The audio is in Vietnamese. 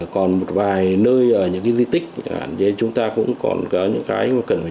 còn một vài nơi ở những cái di tích chúng ta cũng còn có những cái mà cần phải